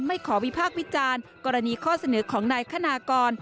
ขอวิพากษ์วิจารณ์กรณีข้อเสนอของนายคณากร